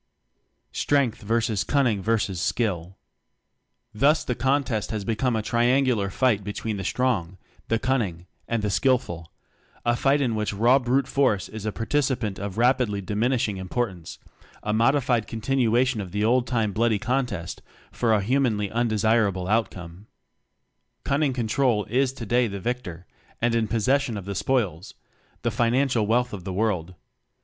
Strength vs. Cunning vs. Skill. Thus the contest has become a triangular fight between the Strong, the Cunning, and the Skilful; a fight TECHNOCRACY in which raw brute force is a par ticipant of rapidly diminishing im portance a modified continuation of the old time bloody contest, for a humanly undesirable outcome. Cunning control is today the vic tor, and in possession of the spoils the financial wealth of the world.